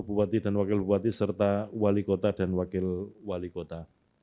bupati dan wakil bupati serta wali kota dan wakil wali kota